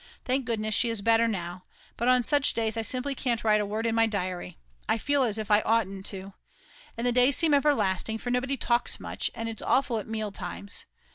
Thank goodness she is better now. But on such days I simply can't write a word in my diary; I feel as if I oughtn't to. And the days seem everlasting, for nobody talks much, and it's awful at mealtimes.